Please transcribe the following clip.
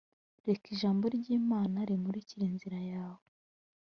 reka ijambo ry imana rimurikire inzira yawe